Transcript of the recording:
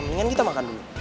mendingan kita makan dulu